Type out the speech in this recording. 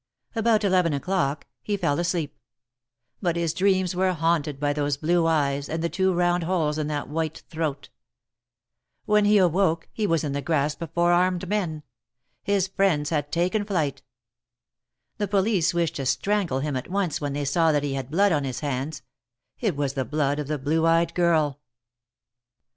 About eleven o'clock, he fell asleep ; but his dreams were haunted by those blue eyes, and the two round holes in that white throat. When he 32 THE MAEKETS OF PARIS. awoke, he was in the grasp of four armed men ; his friends had taken flight. The police wished to strangle him at once when they saw that he had blood on his hands — it was the blood of the blue eyed girl.